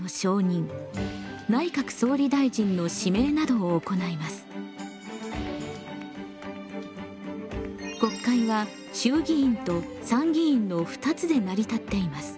そのほかにも国会は衆議院と参議院の２つで成り立っています。